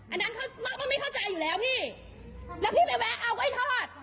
อันนั้นเขาก็ไม่เข้าใจอยู่แล้วพี่แล้วพี่ไม่แวะเอากล้วยทอด